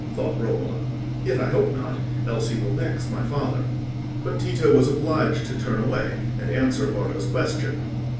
thought Romola, "Yet I hope not, else he will vex my father." But Tito was obliged to turn away, and answer Bardo's question.